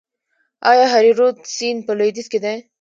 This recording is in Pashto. آیا هریرود سیند په لویدیځ کې دی؟